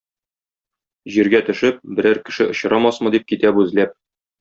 Җиргә төшеп, берәр кеше очрамасмы дип, китә бу эзләп.